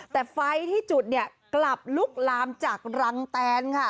แต่ไฟที่จุดเนี่ยกลับลุกลามจากรังแตนค่ะ